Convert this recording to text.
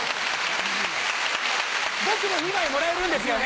僕も２枚もらえるんですよね？